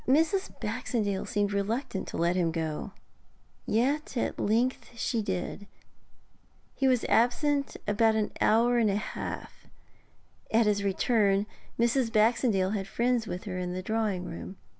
Mrs. Baxendale seemed reluctant to let him go, yet at length she did. He was absent an hour and a half. At his return Mrs. Baxendale had friends with her in the drawing room.